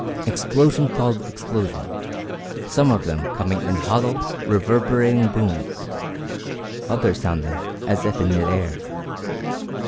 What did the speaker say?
Explosion followed explosion, some of them coming in hollow, reverberating booms, others sounding as if in midair.